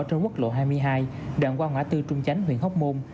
trên quốc lộ hai mươi hai đoạn qua ngã tư trung chánh huyện hóc môn